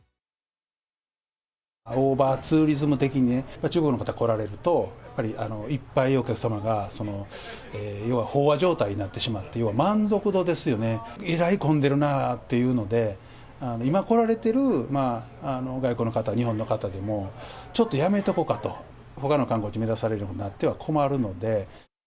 オーバーツーリズム的にね、中国の方来られると、やっぱりいっぱいお客様が、要は飽和状態になってしまって、要は満足度ですよね、えらい混んでるなあっていうので、今来られてる外国の方、日本の方でも、ちょっとやめとこかと、ほかの観光地目指されるようになっては困るので。